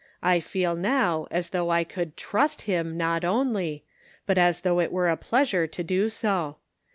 I feel now as though I could trust Him not only, but as though it were a pleasure to do so.